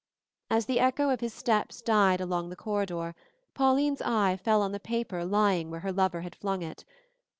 As the echo of his steps died along the corridor, Pauline's eye fell on the paper lying where her lover flung it.